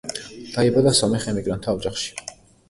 დაიბადა სომეხ ემიგრანტთა ოჯახში.